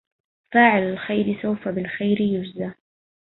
فاعل الخير سوف بالخير يجزي